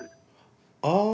ああ。